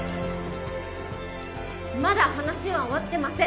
まだ話は終わってません